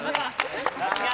さすが！